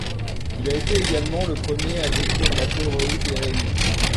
Il a également été le premier à décrire la choroïdérémie.